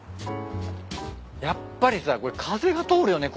やっぱりさ風が通るよね